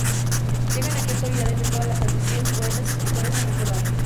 Llegan aquí autoridades de todas las latitudes, poetas y escritores a recordarle.